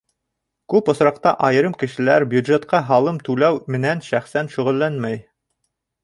Күп осраҡта айырым кешеләр бюджетҡа һалым түләү менән шәхсән шөғөлләнмәй.